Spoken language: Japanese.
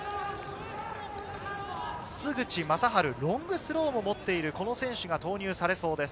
筒口優春、ロングスローを持っている選手が投入されそうです。